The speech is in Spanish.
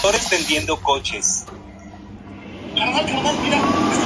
Su centro de operaciones estuvo ubicado en el Aeropuerto Internacional Soekarno-Hatta de Yakarta.